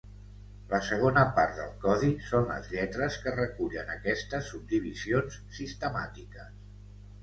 La segona part del codi són les lletres que recullen aquestes subdivisions sistemàtiques.